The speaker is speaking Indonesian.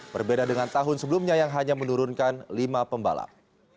berbeda dengan tahun sebelumnya yang hanya menurunkan lima pembalap